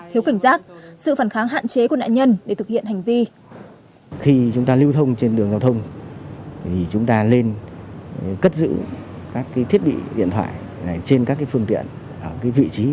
thiếu cảnh giác sự phản kháng hạn chế của nạn nhân để thực hiện hành vi